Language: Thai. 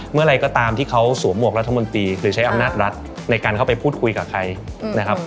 เมื่อไหร่ก็ตามที่เขาสวมหวกรัฐมนตรีหรือใช้อำนาจรัฐในการเข้าไปพูดคุยกับใครนะครับ